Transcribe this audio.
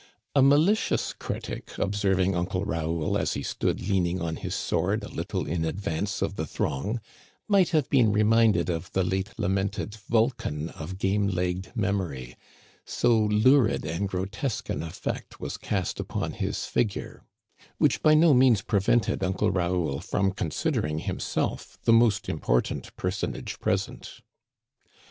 A malicious critic, observing Uncle Raoul as he stood leaning on his sword a little in ad vance of the throng, might have been reminded of ihe late lamented Vulcan of game legged memory, so lurid and grotesque an effect was cast upon his figure ; which by no means prevented Uncle Raoul from considering himself the most important personage present.